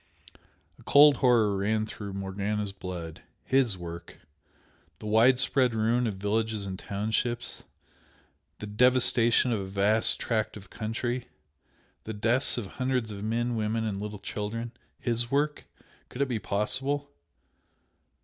A cold horror ran through Morgana's blood. HIS work! the widespread ruin of villages and townships, the devastation of a vast tract of country the deaths of hundreds of men, women and little children HIS work? Could it be possible?